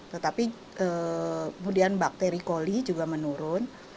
tetapi kemudian bakteri koli juga menurun